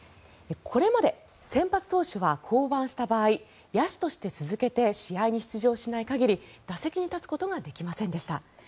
これまで先発投手は降板した場合野手として続けて出場しない限り打席に立つことができませんでした。